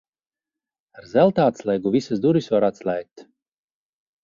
Ar zelta atslēgu visas durvis var atslēgt.